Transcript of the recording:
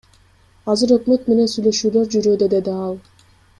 Азыр өкмөт менен сүйлөшүүлөр жүрүүдө, — деди ал.